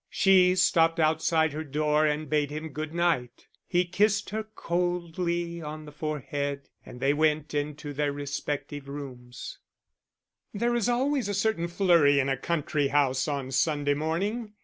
She stopped outside her door and bade him good night; he kissed her coldly on the forehead and they went into their respective rooms. There is always a certain flurry in a country house on Sunday morning.